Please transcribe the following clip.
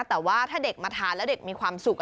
แต่ว่าถ้าเด็กมาทานแล้วเด็กมีความสุข